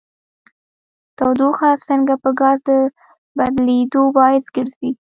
تودوخه څنګه په ګاز د بدلیدو باعث ګرځي؟